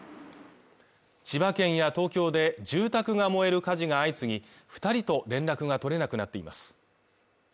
千葉県や東京で住宅が燃える火事が相次ぎ、２人と連絡が取れなくなっています。